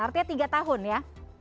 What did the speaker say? artinya tiga tahun ya